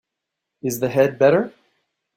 Is the head better?